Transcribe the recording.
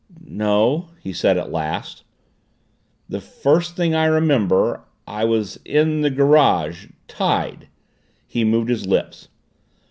"No," he said at last. "The first thing I remember I was in the garage tied." He moved his lips.